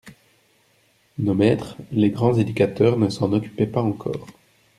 Nos maîtres, les grands éducateurs, ne s'en occupaient pas encore.